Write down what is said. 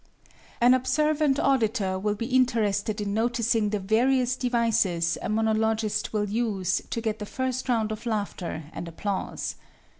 An observant auditor will be interested in noticing the various devices a monologist will use to get the first round of laughter and applause.